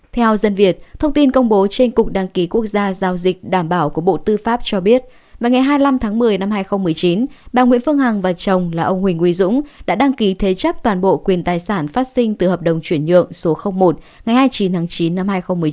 theo dân việt thông tin công bố trên cục đăng ký quốc gia giao dịch đảm bảo của bộ tư pháp cho biết vào ngày hai mươi năm tháng một mươi năm hai nghìn một mươi chín bà nguyễn phương hằng và chồng là ông huỳnh uy dũng đã đăng ký thế chấp toàn bộ quyền tài sản phát sinh từ hợp đồng chuyển nhượng số một ngày hai mươi chín tháng chín năm hai nghìn một mươi chín